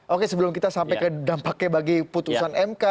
oke sebelum kita sampai ke dampaknya bagi putusan mk